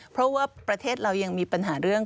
เพราะว่าประเทศเรายังมีปัญหาเรื่อง